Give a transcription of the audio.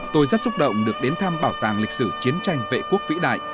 tôi rất xúc động được đến thăm bảo tàng lịch sử chiến tranh vệ quốc vĩ đại